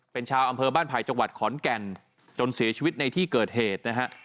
เป็นชาวอำเภอบ้านไผ่จังหวัดขอนแก่นจนเสียชีวิตในที่เกิดเหตุนะฮะ